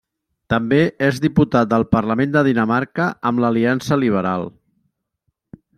També és diputat del Parlament de Dinamarca amb l'Aliança Liberal.